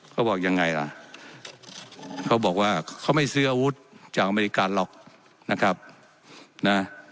เขาบอกยังไงล่ะเขาบอกว่าเขาไม่ซื้ออาวุธจากอเมริกันหรอกนะครับนะ